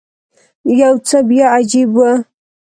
یو څه بیا عجیبه و.